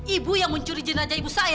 ibu yang mencuri jenajah ibu saya